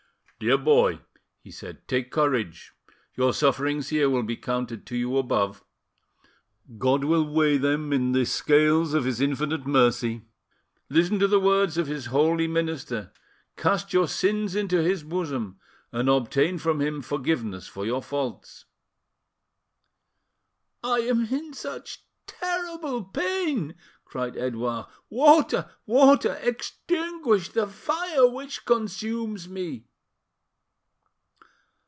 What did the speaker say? "Dear boy," he said, "take courage; your sufferings here will be counted to you above: God will weigh ahem in the scales of His infinite mercy. Listen to the words of His holy minister, cast your sins into His bosom, and obtain from Him forgiveness for your faults." "I am in such terrible pain!" cried Edouard. "Water! water! Extinguish the fire which consumes me!"